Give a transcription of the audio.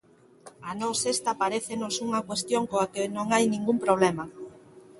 A nós esta parécenos unha cuestión coa que non hai ningún problema.